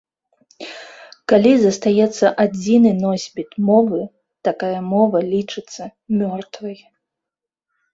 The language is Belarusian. Калі застаецца адзіны носьбіт мовы, такая мова лічыцца мёртвай.